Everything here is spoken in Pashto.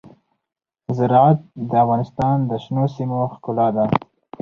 زراعت د افغانستان د شنو سیمو ښکلا ده.